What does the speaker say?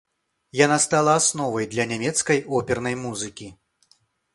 Яна стала асновай для нямецкай опернай музыкі.